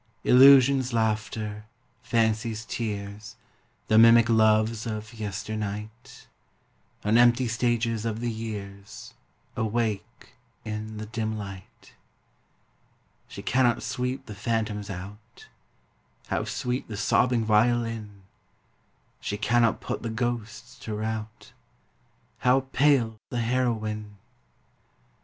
Illusion's laughter, fancy's tears, The mimic loves of yesternight, On empty stages of the years Awake in the dim light. She cannot sweep the phantoms out How sweet the sobbing violin! She cannot put the ghosts to rout How pale the heroine!